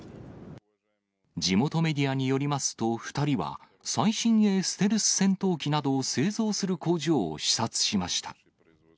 地元メディアによりますと、２人は、最新鋭ステルス戦闘機などを製造する工場を視察しました。